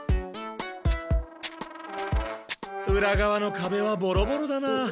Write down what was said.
裏がわのかべはボロボロだな。